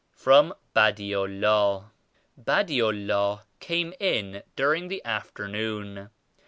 FROM BADI ULLAH. Badi UUah came in during the afternoon.